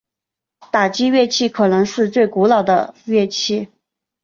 打击乐器可能是最古老的乐器。